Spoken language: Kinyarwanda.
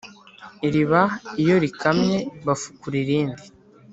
Iriba iyo rikamye bafukura irindi